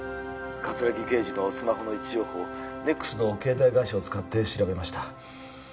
☎葛城刑事のスマホの位置情報をＮＥＸの携帯会社を使って調べました